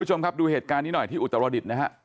คุณผู้ชมครับดูเหตุการณ์นี้หน่อยที่อุตรดิษฐ์นะฮะ